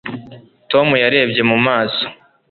Tom yarebye mu maso